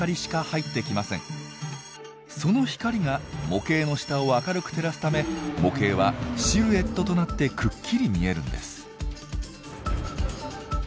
その光が模型の下を明るく照らすため模型はシルエットとなってくっきり見えるんです。